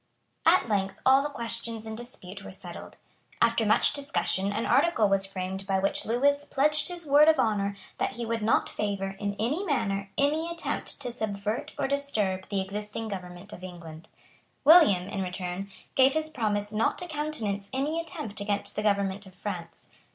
At length all the questions in dispute were settled. After much discussion an article was framed by which Lewis pledged his word of honour that he would not favour, in any manner, any attempt to subvert or disturb the existing government of England. William, in return, gave his promise not to countenance any attempt against the government of France.